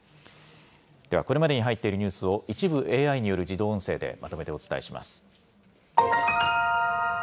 では、これまでに入っているニュースを、一部ＡＩによる自動音声でまとめてお伝えします。